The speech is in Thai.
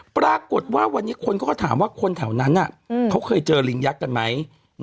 ปรากฏว่าวันนี้คนเขาก็ถามว่าคนแถวนั้นเขาเคยเจอลิงยักษ์กันไหม